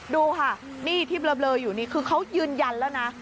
ดูค่ะนี่ที่เบลออยู่นี่คือเขายืนยันแล้วนะ